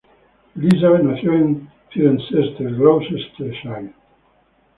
Elizabeth nació en Cirencester, Gloucestershire.